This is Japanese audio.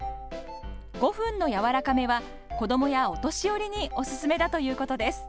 ５分の柔らかめは子どもやお年寄りにおすすめだということです。